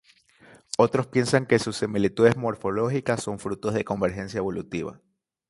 Otros piensan que sus similitudes morfológicas son fruto de convergencia evolutiva.